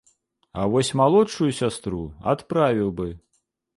А вось малодшую сястру адправіў бы.